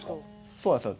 そうなんですよ。